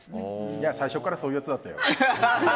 いや、最初からそういう奴だったよ。